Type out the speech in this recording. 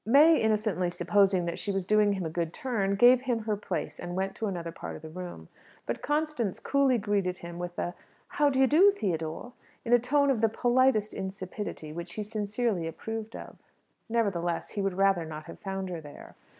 May, innocently supposing that she was doing him a good turn, gave him her place, and went to another part of the room. But Constance coolly greeted him with a "How d'ye do, Theodore?" in a tone of the politest insipidity, which he sincerely approved of. Nevertheless, he would rather not have found her there.